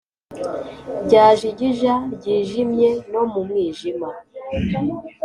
Ryajigija ryijimye no mu mwijima